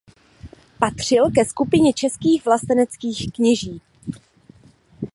Patřil ke skupině českých vlasteneckých kněží.